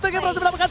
tegit harus dapetkan